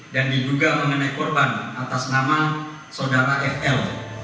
dan diduga mengenai korban atas nama sodara fl